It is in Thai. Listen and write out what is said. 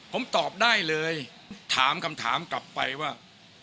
ผมตอบได้เลยถามคำถามกลับไปว่า